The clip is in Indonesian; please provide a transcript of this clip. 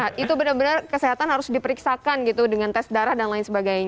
nah itu benar benar kesehatan harus diperiksakan gitu dengan tes darah dan lain sebagainya